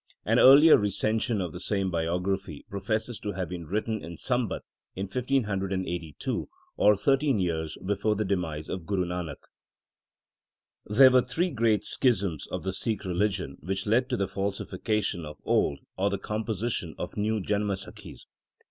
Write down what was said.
An earlier recension of the same biography professes to have been written in Sambat 1582, or thirteen years before the demise of Guru Nanak. There were three great schisms of the Sikh religion which led to the falsification of old, or the composition of new Janamsakhis.